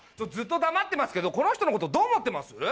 ずっと黙ってますけどこの人のことどう思ってます？